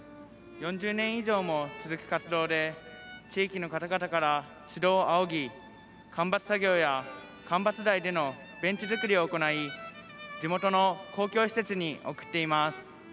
４０年以上も続く活動で地域の方々から指導を仰ぎ間伐作業や間伐材でのベンチづくりを行い地元の公共施設に贈っています。